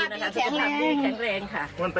ก็รู้สึกดีนะครับโดยสุขภาพดีแข็งแรงค่ะ